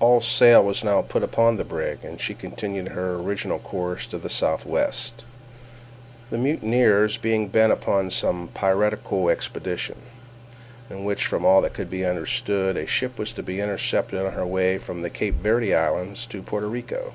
All sail was now put upon the brig, and she continued her original course to the southwest—the mutineers being bent upon some piratical expedition, in which, from all that could be understood, a ship was to be intercepted on her way from the Cape Verd Islands to Porto Rico.